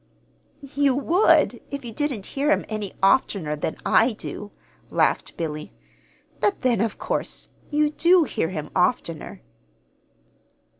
"You would if you didn't hear him any oftener than I do," laughed Billy. "But then, of course you do hear him oftener."